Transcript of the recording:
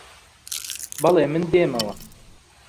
بەڵێ، من دێمەوە